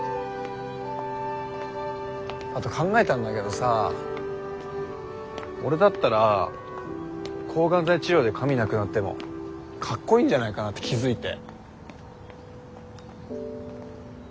あと考えたんだけどさ俺だったら抗がん剤治療で髪なくなってもかっこいいんじゃないかなって気付いて。